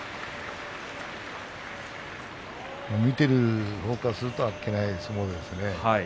見ているほうからするとあっけない相撲ですね。